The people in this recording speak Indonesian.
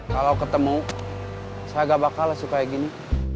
kalau ketemu saya gak bakal lah kayak gini